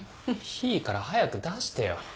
いいから早く出してよ。